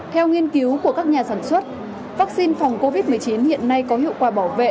theo nghiên cứu của các nhà sản xuất vaccine phòng covid một mươi chín hiện nay có hiệu quả bảo vệ